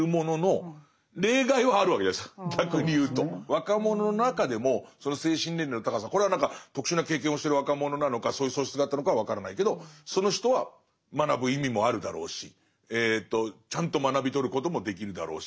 若者の中でも精神年齢の高さこれは特殊な経験をしてる若者なのかそういう素質があったのかは分からないけどその人は学ぶ意味もあるだろうしちゃんと学び取ることもできるだろうし。